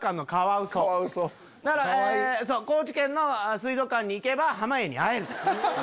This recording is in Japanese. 高知県の水族館に行けば濱家に会える。